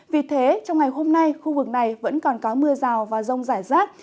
vì thế trong ngày hôm nay khu vực này vẫn còn có mưa rào và rông rải rác